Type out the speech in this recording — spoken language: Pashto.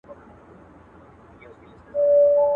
تر پښو لاندي مځکه مه گوره ليري واټ گوره.